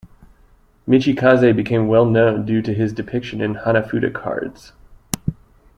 Michikaze became well known due to his depiction in Hanafuda cards.